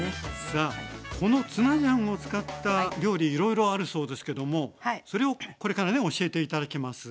さあこのツナジャンを使った料理いろいろあるそうですけどもそれをこれからね教えて頂きます。